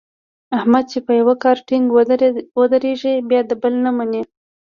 احمد چې په یوه کار ټینګ ودرېږي بیا د بل نه مني.